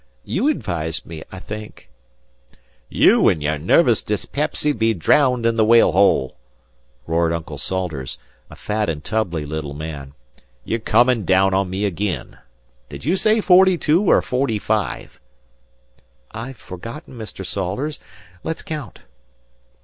You advised me, I think." "You an' your nervis dyspepsy be drowned in the Whale hole," roared Uncle Salters, a fat and tubby little man. "You're comin' down on me agin. Did ye say forty two or forty five?" "I've forgotten, Mr. Salters. Let's count."